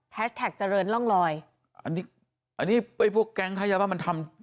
แฮชแท็กเจริญล่องลอยอันนี้อันนี้พวกแกงไทยยาบ้ามันทำ